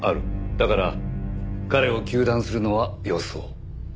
だから彼を糾弾するのはよそう。